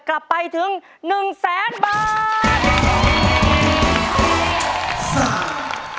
กลับไปถึง๑แสนบาท